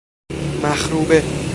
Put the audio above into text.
مخروبه